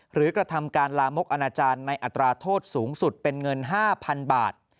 กระทำการลามกอนาจารย์ในอัตราโทษสูงสุดเป็นเงิน๕๐๐๐บาท